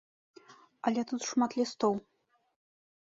Але тут шмат лістоў.